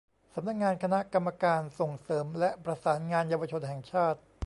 สำนักงานคณะกรรมการส่งเสริมและประสานงานเยาวชนแห่งชาติ